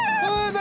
何？